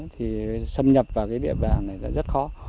thì xâm nhập vào địa phương này rất khó